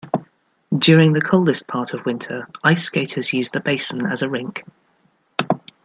During the coldest part of winter, ice skaters use the basin as a rink.